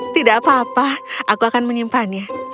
tidak apa apa aku akan menyimpannya